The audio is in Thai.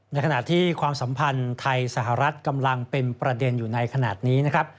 ในขณะที่ความสัมพันธ์ไทยสหรัฐกำลังเป็นประเด็นอยู่ในขณะนี้นะครับ